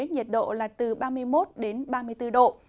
nhiệt độ là từ ba mươi một đến ba mươi bốn độ